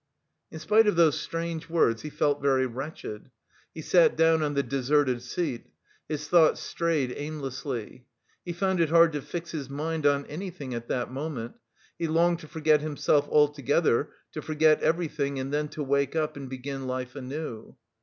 In spite of those strange words he felt very wretched. He sat down on the deserted seat. His thoughts strayed aimlessly.... He found it hard to fix his mind on anything at that moment. He longed to forget himself altogether, to forget everything, and then to wake up and begin life anew....